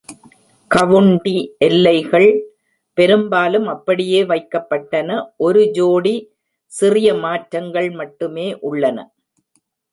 County எல்லைகள் பெரும்பாலும் அப்படியே வைக்கப்பட்டன, ஒரு ஜோடி சிறிய மாற்றங்கள் மட்டுமே உள்ளன.